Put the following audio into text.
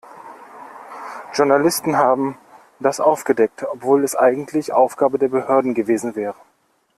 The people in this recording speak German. Journalisten haben das aufgedeckt, obwohl es eigentlich Aufgabe der Behörden gewesen wäre.